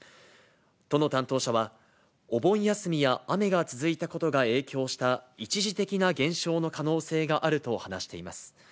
都の担当者は、お盆休みや雨が続いたことが影響した一時的な減少の可能性があると話しています。